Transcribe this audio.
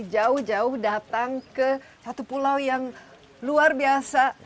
jauh jauh datang ke satu pulau yang luar biasa